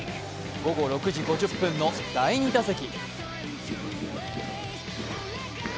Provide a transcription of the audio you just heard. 午後６時５０分の第２打席。